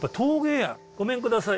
ごめんください。